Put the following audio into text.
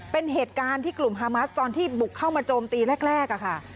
เป็นเหตุการณ์ที่กลุ่มฮามัสตอนที่บุกเข้ามาโจมตีแรกค่ะ